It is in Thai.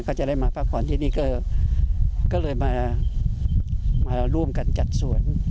ก็จะได้มาพักผ่อนที่นี่ก็เลยมาร่วมกันจัดสวน